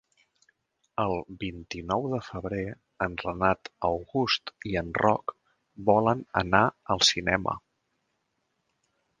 El vint-i-nou de febrer en Renat August i en Roc volen anar al cinema.